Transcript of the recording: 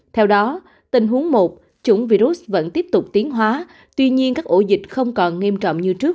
theo đó tình huống một chủng virus vẫn tiếp tục tiến hóa tuy nhiên các ổ dịch không còn nghiêm trọng như trước